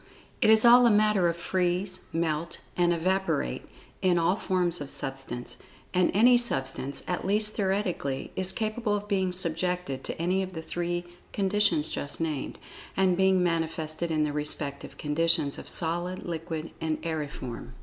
It is all a matter of "freeze," "melt," and "evaporate," in all forms of Substance—and any substance, at least theoretically, is capable of being subjected to any of the three conditions just named, and being manifested in the respective conditions, of Solid, Liquid, and Aeriform.